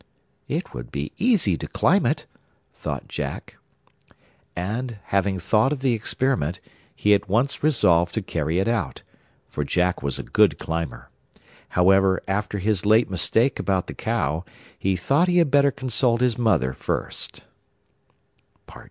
'It would be easy to climb it,' thought Jack. And, having thought of the experiment, he at once resolved to carry it out, for Jack was a good climber. However, after his late mistake about the cow, he thought he had better consult his mother first.